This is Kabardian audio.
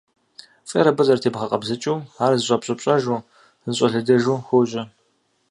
Фӏейр абы зэрытебгъэкъэбзыкӏыу, ар зэщӏэпщӏыпщӏэжу, зэщӏэлыдэжу хуожьэ.